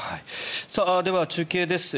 では、中継です。